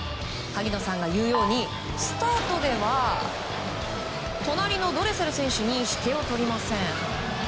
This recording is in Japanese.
萩野さんが言うようにスタートでは隣のドレセル選手に引けを取りません。